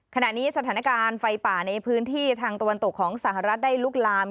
ขณะนี้สถานการณ์ไฟป่าในพื้นที่ทางตะวันตกของสหรัฐได้ลุกลาม